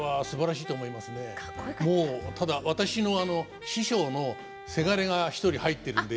もうただ私の師匠のせがれが一人入ってるんで。